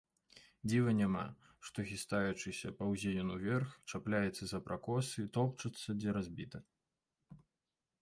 Дзіва няма, што, хістаючыся, паўзе ён уверх, чапляецца за пракосы, топчацца, дзе разбіта.